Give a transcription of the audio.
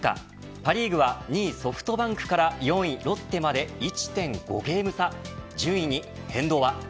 パ・リーグは２位ソフトバンクから４位ロッテまで１．５ゲーム差。